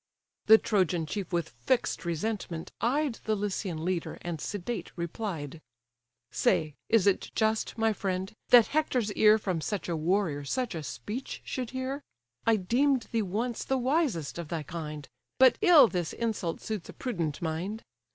The Trojan chief with fix'd resentment eyed The Lycian leader, and sedate replied: "Say, is it just, my friend, that Hector's ear From such a warrior such a speech should hear? I deem'd thee once the wisest of thy kind, But ill this insult suits a prudent mind.